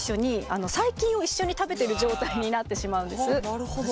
なるほど。